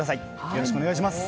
よろしくお願いします。